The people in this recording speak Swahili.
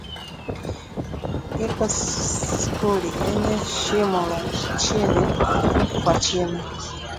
Iko skuli yenye shimo la chini kwa chini